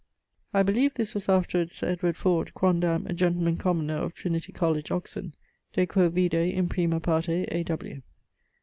I beleeve this was afterwards Sir Edward Ford, quondam a gentleman commoner of Trinity College, Oxon: de quo vide in prima parte A. W.